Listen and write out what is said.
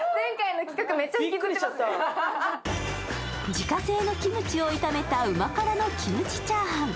自家製のキムチを炒めたうま辛のキムチチャーハン。